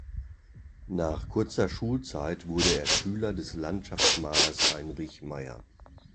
Nach kurzer Schulzeit wurde er Schüler des Landschaftsmalers Heinrich Meyer.